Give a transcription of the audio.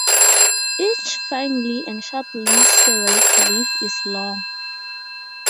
Each finely and sharply serrate leaf is long.